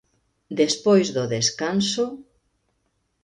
Despois do descanso...